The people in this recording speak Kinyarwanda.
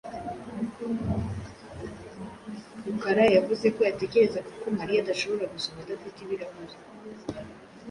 Rukara yavuze ko yatekerezaga ko Mariya adashobora gusoma adafite ibirahure.